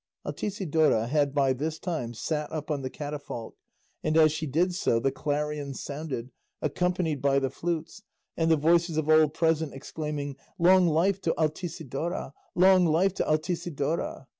Altisidora had by this time sat up on the catafalque, and as she did so the clarions sounded, accompanied by the flutes, and the voices of all present exclaiming, "Long life to Altisidora! long life to Altisidora!"